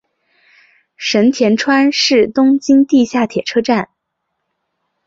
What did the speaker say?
神田川是东京地下铁车站。